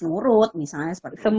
nurut misalnya seperti